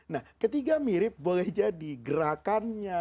nah ketiga mirip boleh jadi gerakannya